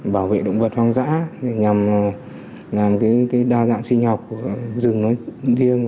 bảo vệ động vật hoang dã nhằm làm đa dạng sinh hoạt